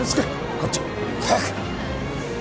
こっち早く。